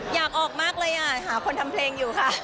อยากออกมากเลยอ่ะหาคนทำเพลงอยู่ค่ะ